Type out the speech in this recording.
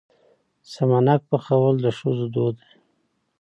سمنک پخول د ښځو دود دی.